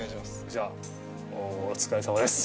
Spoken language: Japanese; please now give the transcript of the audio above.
じゃあお疲れさまです